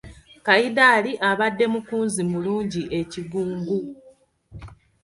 Kayidali abadde mukunzi mulungi e Kigungu.